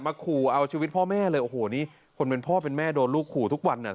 ขู่เอาชีวิตพ่อแม่เลยโอ้โหนี่คนเป็นพ่อเป็นแม่โดนลูกขู่ทุกวันเนี่ย